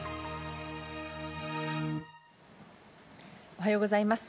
おはようございます。